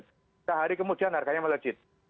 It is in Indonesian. sehari kemudian harganya melejit